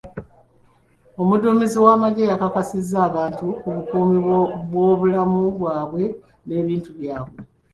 Omuduumizi w'amagye yakakasizza abantu ku bukuumi bw'obulamu bwabwe n'ebintu byabwe.